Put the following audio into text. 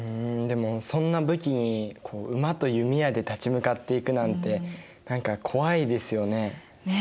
でもそんな武器に馬と弓矢で立ち向かっていくなんて何か怖いですよね？ね。